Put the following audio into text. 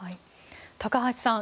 高橋さん